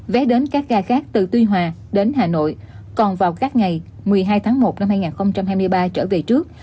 vé đến các ga khác từ tuy hòa đến hà nội còn vào các ngày một mươi hai tháng một năm hai nghìn hai mươi ba trở về trước